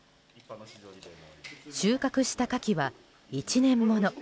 収穫したカキは１年もの。